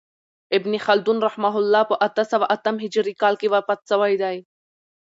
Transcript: ابن خلدون رحمة الله په اته سوه اتم هجري کال کښي وفات سوی دئ.